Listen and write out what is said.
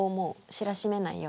知らしめない。